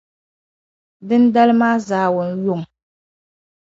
Dindali maa zaawunyuŋ.